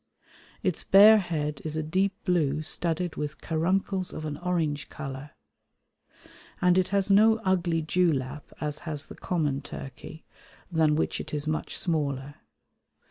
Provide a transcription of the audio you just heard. Its bare head is a deep blue studded with caruncles of an orange colour, and it has no ugly dewlap as has the common turkey, than which it is much smaller.